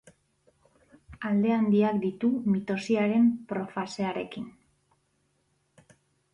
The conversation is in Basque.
Alde handiak ditu mitosiaren profasearekin.